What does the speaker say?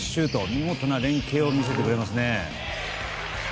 見事な連係を見せてくれますね。